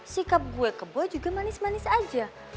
sikap gue ke boy juga manis manis aja